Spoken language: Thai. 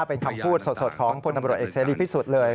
เป็นคำพูดสดของพลตำรวจเอกเสรีพิสุทธิ์เลย